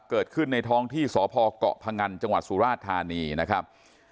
เกิดขึ้นในท้องที่สพเกาะพงันจังหวัดสุราชธานีนะครับ